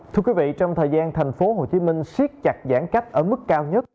thưa quý vị trong thời gian thành phố hồ chí minh siết chặt giãn cách ở mức cao nhất